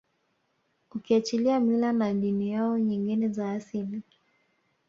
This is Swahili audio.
ukiachilia mila na dini yao nyngine za asili